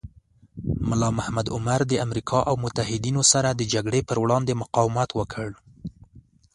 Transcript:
ملا محمد عمر د امریکا او متحدینو سره د جګړې پر وړاندې مقاومت وکړ.